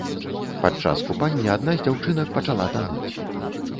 Падчас купання адна з дзяўчынак пачала тануць.